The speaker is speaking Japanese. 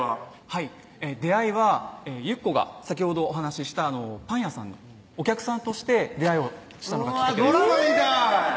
はい出会いはゆっこが先ほどお話ししたパン屋さんのお客さんとして出会いをしたのがうわっドラマみたい！